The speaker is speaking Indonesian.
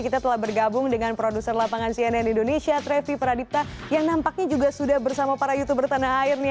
kita telah bergabung dengan produser lapangan cnn indonesia trevi pradipta yang nampaknya juga sudah bersama para youtuber tanah air nih